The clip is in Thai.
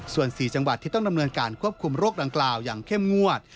ส่วน๔จังหวัดที่ต้องดำเนินการควบคุมโรคดังกล่าวอย่างเข้มงวด